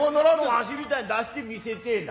わしみたいに出してみせてえな。